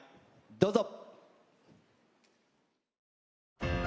どうぞ。